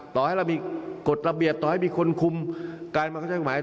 ต่อให้เรามีกฎระเบียบต่อให้มีคนคุมการบังคับใช้กฎหมาย